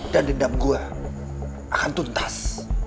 dan dendam gue akan tuntas